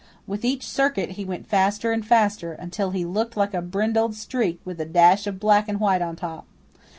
With each circuit he went faster and faster, until he looked like a brindled streak with a dash of black and white on top.